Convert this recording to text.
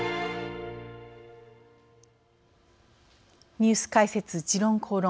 ニュース解説「時論公論」。